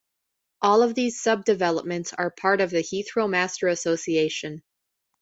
All of these sub-developments are part of the Heathrow Master Association.